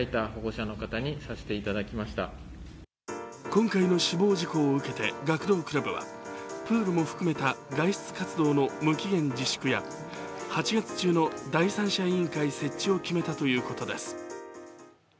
今回の死亡事故を受けて学童クラブはプールも含めた外出活動の無期限自粛や８月中の第三者委員会設置を決めたということです。